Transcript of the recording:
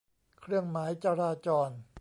เครื่องหมายจราจร